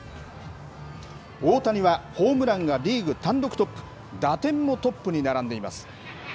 大谷はホームランがリーグ単独トップ、打点もトップに並んでいます。